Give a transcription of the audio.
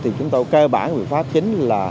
thì chúng ta cơ bản biện pháp chính là